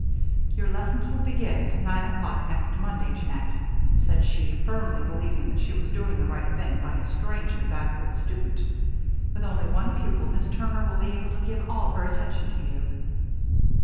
"Your lessons will begin at nine o'clock next Monday, Jeannette," said she, firmly believing that she was doing the right thing by a strangely backward student. "With only one pupil, Miss Turner will be able to give all her attention to you."